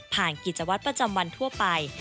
กิจวัตรประจำวันทั่วไป